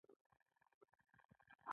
ستوني غرونه د افغان کلتور سره تړاو لري.